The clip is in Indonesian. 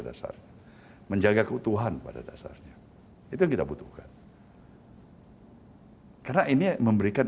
dasarnya menjaga keutuhan pada dasarnya itu yang kita butuhkan karena ini memberikan